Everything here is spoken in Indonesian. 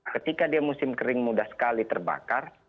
ketika dia musim kering mudah sekali terbakar